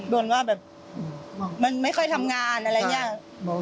โดนว่าแบบมันไม่ค่อยทำงานอะไรเนี่ย